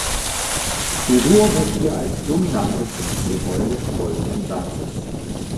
G-Dur wirkt hier als Dominante zum c-Moll des folgenden Satzes.